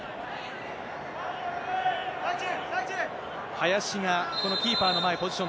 林がこのキーパーの前、ポジショ